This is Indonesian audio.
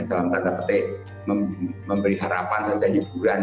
dalam tanda petik memberi harapan sejajar bulan ya